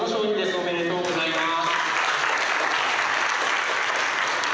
おめでとうございます。